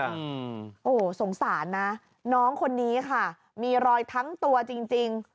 โธ่สงสารนะน้องคนนี้ค่ะมีรอยทั้งตัวจริง